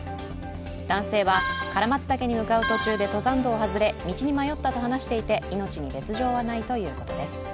男性は唐松岳に向かう途中で登山道を外れ道に迷ったと話していて命に別状はないということです。